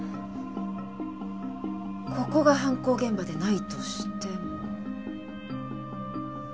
ここが犯行現場でないとしても。